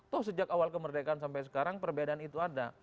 toh sejak awal kemerdekaan sampai sekarang perbedaan itu ada